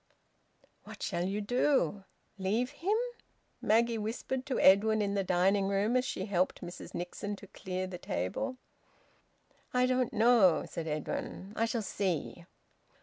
"What shall you do? Leave him?" Maggie whispered to Edwin in the dining room, as she helped Mrs Nixon to clear the table. "I don't know," said Edwin. "I shall see."